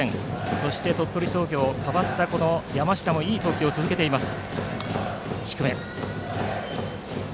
そして鳥取商業代わった山下もいい投球を続けています。